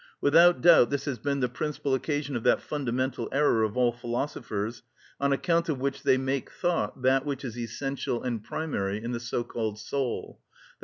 Without doubt this has been the principal occasion of that fundamental error of all philosophers on account of which they make thought that which is essential and primary in the so called soul, _i.